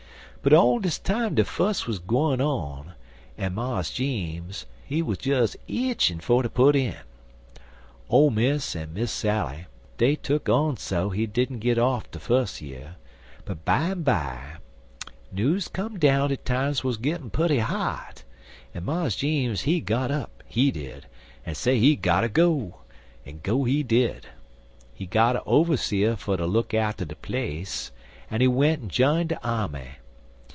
But all dis time de fuss wuz gwine on, en Mars Jeems, he wuz des eatchin' fer ter put in. Ole Miss en Miss Sally, dey tuck on so he didn't git off de fus' year, but bimeby news come down dat times wuz gittin' putty hot, en Mars Jeems he got up, he did, en say he gotter go, en go he did. He got a overseer fer ter look atter de place, en he went en jined de army.